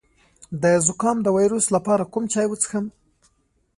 د زکام د ویروس لپاره کوم چای وڅښم؟